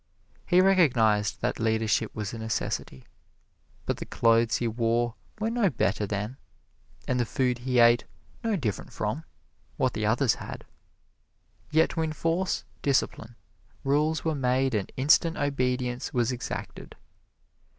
He recognized that leadership was a necessity; but the clothes he wore were no better than, and the food he ate no different from, what the others had. Yet to enforce discipline, rules were made and instant obedience was exacted.